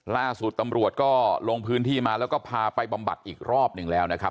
ล่าสุดตำรวจก็ลงพื้นที่มาแล้วก็พาไปบำบัดอีกรอบหนึ่งแล้วนะครับ